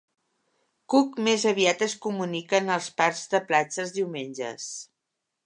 Cook més aviat es comuniquen als parcs de platja, els diumenges.